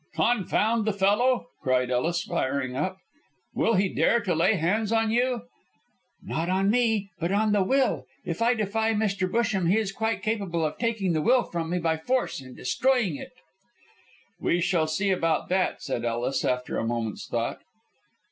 "Confound the fellow!" cried Ellis, firing up. "Will he dare to lay hands on you?" "Not on me, but on the will. If I defy Mr. Busham, he is quite capable of taking the will from me by force and destroying it." "We shall see about that," said Ellis, after a moment's thought.